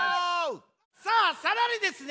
さあさらにですね